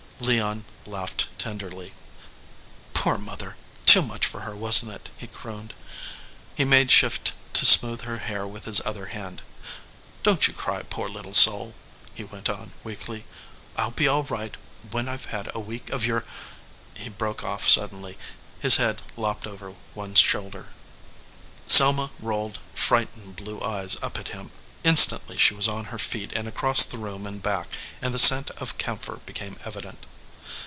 Leon laughed tenderly. "Poor mother! Too much for her, wasn t it?" he crooned. He made shift to smooth her hair with his other hand. "Don t you cry, poor little soul," he went on, 160 THE LIAR weakly. "I ll be all right when I ve had a week of your " He broke off suddenly. His head lopped over on one shoulder. Selma rolled frightened blue eyes up at him. Instantly she was on her feet and across the room and back, and the scent of camphor became evident.